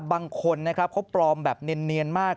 บางคนนะครับเขาปลอมแบบเนียนมาก